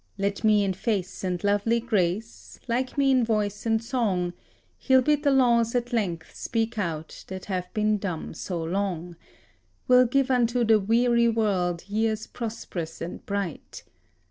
Like me in face and lovely grace, like me in voice and song, He'll bid the laws at length speak out that have been dumb so long, Will give unto the weary world years prosperous and bright.